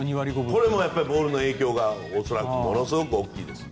これもボールの影響がものすごく大きいです。